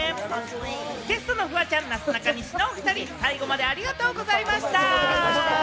ゲストのフワちゃん、なすなかにしのおふたり、最後までありがとうございました。